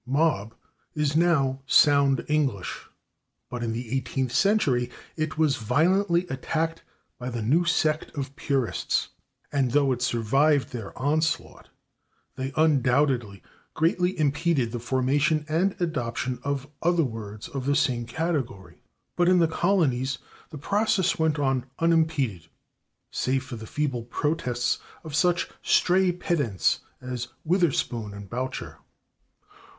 /Mob/ is now sound English, but in the eighteenth century it was violently attacked by the new sect of purists, and though it survived their onslaught they undoubtedly greatly impeded the formation and adoption of other words of the same category. But in the colonies the process went on unimpeded, save for the feeble protests of such stray pedants as Witherspoon and Boucher.